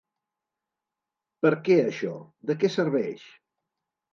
Perquè això, ¿de què serveix?